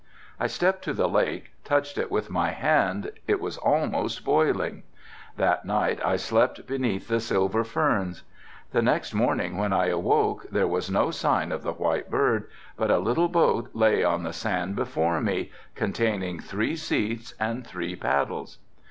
I stepped to the lake, touched it with my hand, it was almost boiling. That night I slept beneath the silver ferns. The next morning when I awoke there was no sign of the white bird but a little boat lay on the sand before me containing three seats and three paddles.